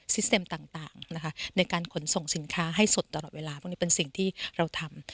เต็มต่างนะคะในการขนส่งสินค้าให้สดตลอดเวลาพวกนี้เป็นสิ่งที่เราทำ